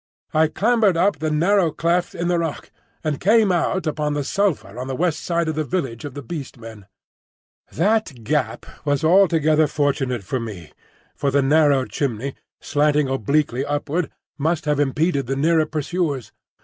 I clambered up the narrow cleft in the rock and came out upon the sulphur on the westward side of the village of the Beast Men. That gap was altogether fortunate for me, for the narrow chimney, slanting obliquely upward, must have impeded the nearer pursuers.